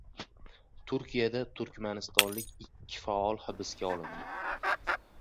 Turkiyada turkmanistonlik ikki faol hibsga olindi